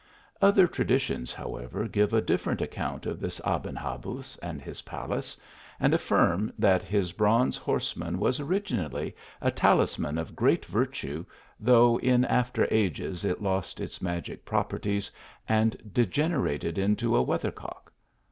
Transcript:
Other traditions, however, give a different account of this Aben Habuz and his palace, and affirm that his bronze horseman was originally a talisman of great virtue, though in after ages it lost its magic properties and degenerated into a weathercock.